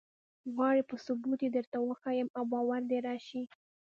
غواړې په ثبوت یې درته وښیم او باور دې راشي.